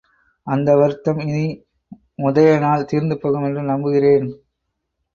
அந்த வருத்தம் இனி உதயணனால் தீர்ந்துபோகும் என்று நம்புகிறேன்.